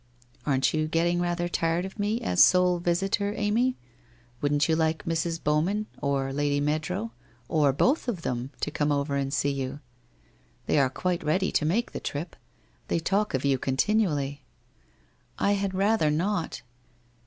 ' Aren't you getting rather tired of me as sole visitor, Amy? Wouldn't you like Mrs. Bowman or Lady Mead row, or both of them, to come over and see you ? They are WHITE ROSE OF WEARY LEAF 253 quite ready to make the trip. They talk of you con tinually.' * I had rather not.'